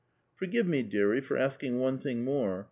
'• Forgive me, deai*ie,* for asking one thing more.